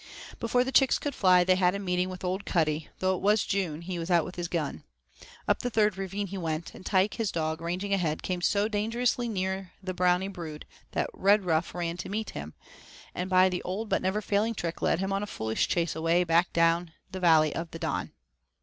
Before the chicks could fly they had a meeting with old Cuddy; though it was June, he was out with his gun. Up the third ravine he went, and Tike, his dog, ranging ahead, came so dangerously near the Brownie brood that Redruff ran to meet him, and by the old but never failing trick led him on a foolish chase away back down the valley of the Don.